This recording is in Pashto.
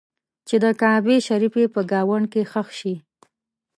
چې د کعبې شریفې په ګاونډ کې ښخ شي.